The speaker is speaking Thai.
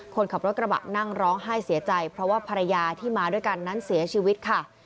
คนขับรถกระบะนั่งร้องไห้เสียใจเพราะว่าภรรยาที่มาด้วยกันนั้นเสียชีวิตค่ะ